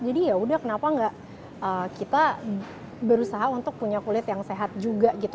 jadi yaudah kenapa enggak kita berusaha untuk punya kulit yang sehat juga gitu